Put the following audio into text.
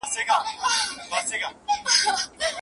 کوم څوک له خپلې ناروغۍ څخه ډير کړېږي؟